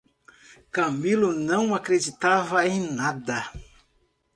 Camilo não acreditava em nada.